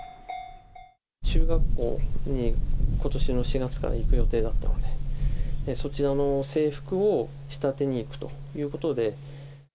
中学校にことしの４月から行く予定だったので、そちらの制服を仕立てに行くということで。